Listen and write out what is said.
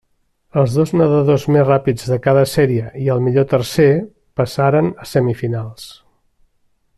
Els dos nedadors més ràpids de cada sèrie i el millor tercer passaren a semifinals.